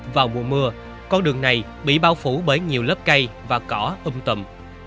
vào mùa mưa con đường này bị bao phủ bởi nhiều lớp cây và cỏ um tầm